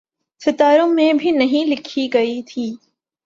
ستاروں میں بھی نہیں لکھی گئی تھی۔